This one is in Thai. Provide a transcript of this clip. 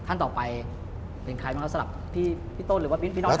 ขั้นต่อไปเป็นใครสำหรับพี่โต้นหรือว่าพี่นอฟครับ